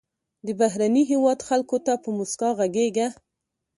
د بهرني هېواد خلکو ته په موسکا غږیږه.